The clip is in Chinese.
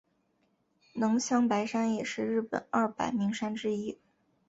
能乡白山也是日本二百名山之一。